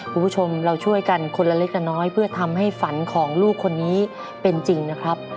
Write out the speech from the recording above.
คุณผู้ชมเราช่วยกันคนละเล็กละน้อยเพื่อทำให้ฝันของลูกคนนี้เป็นจริงนะครับ